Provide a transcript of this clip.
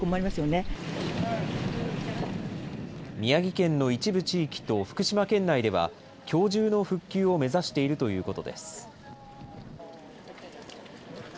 宮城県の一部地域と福島県内では、きょう中の復旧を目指しているということです。